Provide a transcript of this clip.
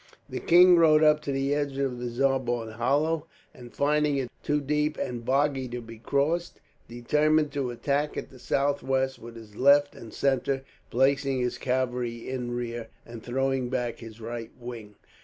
The king rode up to the edge of the Zaborn hollow and, finding it too deep and boggy to be crossed, determined to attack at the southwest with his left and centre, placing his cavalry in rear, and throwing back his right wing.